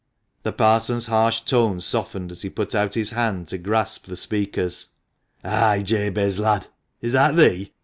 The Parson's harsh tones softened as he put out his hand to grasp the speaker's. "Ay, Jabez, lad, is that thee?